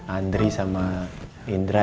andri sama indra